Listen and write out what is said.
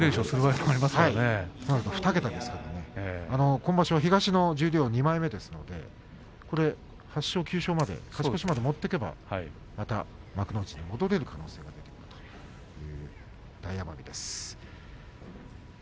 今場所は東の十両２枚目ですので勝ち越しまで持っていけばまた幕内まで戻れる可能性も出てくる大奄美です。